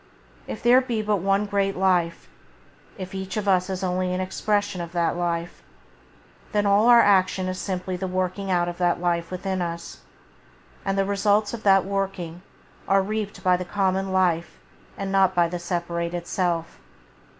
If there be only one great life, if each of us is only an expression of that life, then all our activity is simply the working of that Life within us, and the results of that working are reaped by the common Life and not by the separated self.